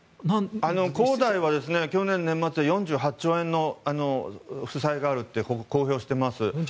恒大は去年年末４８兆円の負債があると公表しています。